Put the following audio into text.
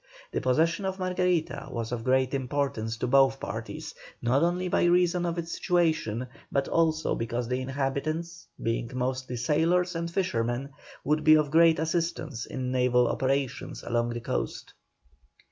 The possession of Margarita was of great importance to both parties, not only by reason of its situation, but also because the inhabitants, being mostly sailors and fishermen, would be of great assistance in naval operations along the coast.